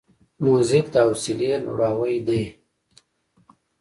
موزیک د حوصله لوړاوی دی.